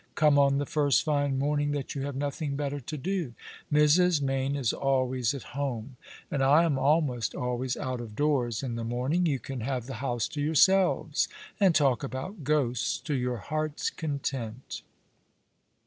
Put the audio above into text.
Come on the first fine morning that you have nothing better to do. JMrs. Mayne is always at home; and I am almost always out of doors in the morning. You can have the house to yourselves, and talk about ghosts to your hearts' content."